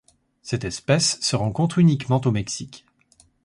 Cette espèce se rencontre uniquement au Mexique.